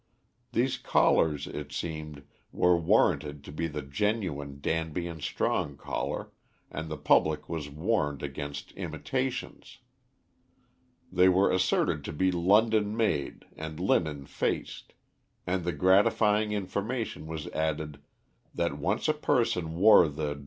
These collars it seemed, were warranted to be the genuine Danby and Strong collar, and the public was warned against imitations. They were asserted to be London made and linen faced, and the gratifying information was added that once a person wore the D.